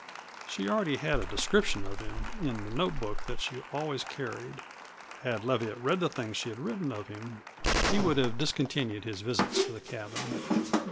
She already had a description of him in the note book that she always carried. Had Leviatt read the things she had written of him he would have discontinued his visits to the cabin.